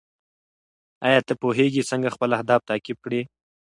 ایا ته پوهېږې څنګه خپل اهداف تعقیب کړې؟